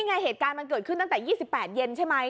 ไงเหตุการณ์มันเกิดขึ้นตั้งแต่๒๘เย็นใช่ไหม